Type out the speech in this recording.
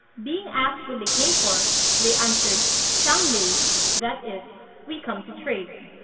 "Being asked what they came for, they answered, 'Xang Lei,' that is, 'We come to trade.'